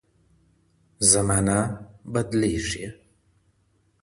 زمانه بدلیږي.